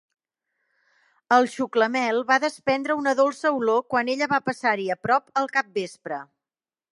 El xuclamel va desprendre una dolça olor quan ella va passar-hi a prop al capvespre.